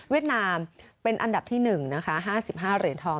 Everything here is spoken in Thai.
เวียดนามเป็นอันดับที่๑๕๕เหรียญทอง